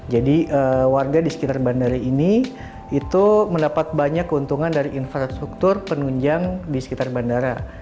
jadi warga di sekitar bandara ini itu mendapat banyak keuntungan dari infrastruktur penunjang di sekitar bandara